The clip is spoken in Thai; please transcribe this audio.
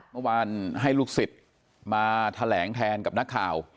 เมื่อวานให้ลูกศิษย์มาแถลงแทนกับนักข่าว